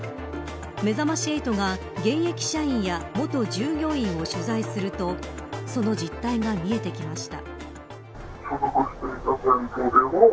めざまし８が、現役社員や元従業員を取材するとその実態が見えてきました。